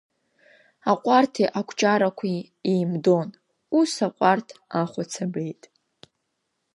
Аҟәарҭи ақәҷарақәеи еимдон, ус, аҟәарҭ ахәац абеит.